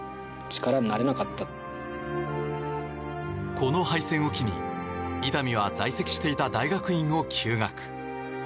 この敗戦を機に伊丹は在籍していた大学院を休学。